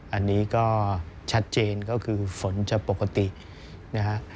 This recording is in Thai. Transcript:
อันนี้ก็ชัดเจนก็คือฝนจะปกตินะฮะ